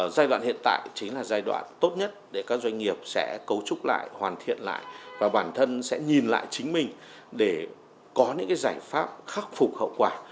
giai đoạn hiện tại chính là giai đoạn tốt nhất để các doanh nghiệp sẽ cấu trúc lại hoàn thiện lại và bản thân sẽ nhìn lại chính mình để có những giải pháp khắc phục hậu quả